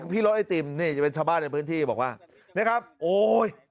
พี่รถไอติมนี่จะเป็นชาวบ้านในพื้นที่บอกว่านะครับโอ้ย